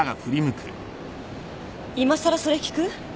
いまさらそれ聞く？